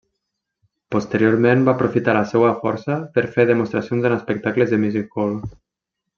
Posteriorment va aprofitar la seva força per fer demostracions en espectacles de music hall.